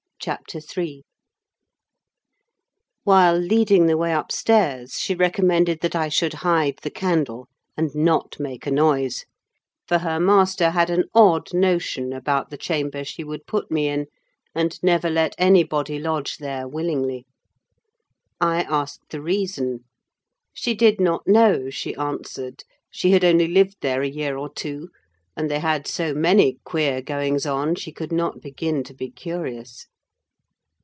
CHAPTER III While leading the way upstairs, she recommended that I should hide the candle, and not make a noise; for her master had an odd notion about the chamber she would put me in, and never let anybody lodge there willingly. I asked the reason. She did not know, she answered: she had only lived there a year or two; and they had so many queer goings on, she could not begin to be curious.